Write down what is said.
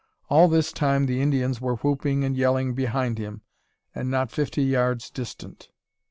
All this time the Indians were whooping and yelling behind him, and not fifty yards distant.